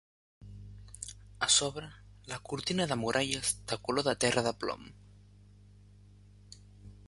A sobre, la cortina de muralles de color de terra de plom